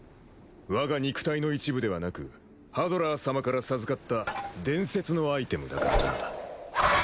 我が肉体の一部ではなくハドラー様から授かった伝説のアイテムだからな。